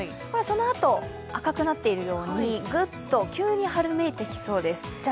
そのあと、赤くなっているようにグッと急に春めいてきそうです。